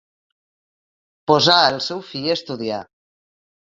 Posà el seu fill a estudiar.